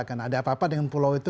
karena ada apa apa dengan pulau itu